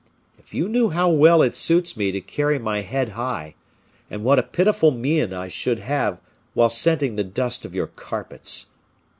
If you knew how well it suits me to carry my head high, and what a pitiful mien I shall have while scenting the dust of your carpets!